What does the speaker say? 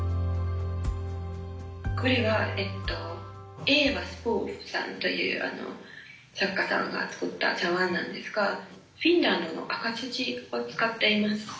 これはエヴァ・スプーフさんという作家さんが作った茶碗なんですがフィンランドの赤土を使っています。